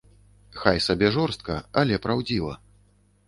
Хай сабе жорстка, але праўдзіва.